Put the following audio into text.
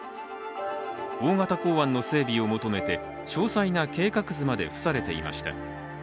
大型港湾の整備を求めて詳細な計画図まで付されていました。